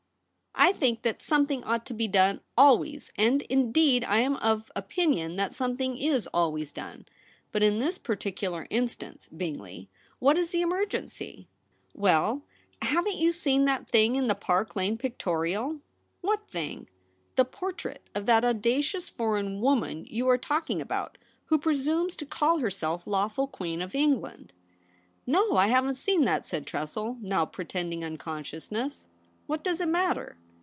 * I think that something ought to be done always ; and, indeed, I am of opinion that something is always done. But in this par ticular instance, Bingley, what is the emer gency ?'' Well, haven't you seen that thing in the Park Lane Pictorial f ' What thing ?'' The portrait of that audacious foreign woman you are talking about, who presumes to call herself lawful Queen of England/ 134 THE REBEL ROSE. * No, I haven't seen that,' said Tressel, now pretending unconsciousness. * What does it matter